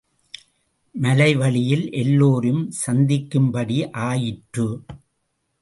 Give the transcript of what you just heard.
மலை வழியில் எல்லோரும் சந்திக்கும் படி ஆயிற்று.